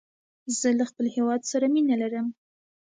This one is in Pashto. زه له خپل هیواد سره مینه لرم.